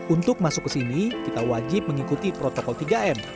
untuk masuk ke sini kita wajib mengikuti protokol tiga m